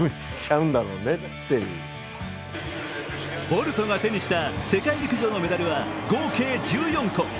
ボルトが手にした世界陸上のメダルは合計１４個。